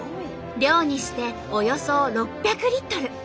量にしておよそ６００リットル。